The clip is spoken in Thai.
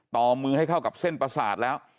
ต่อมือให้เข้ากับเส้นประสาทแล้ว